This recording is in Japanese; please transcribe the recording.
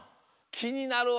きになるわ。